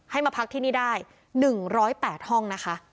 ให้มาพักที่นี้ได้๑๐๘ห้อง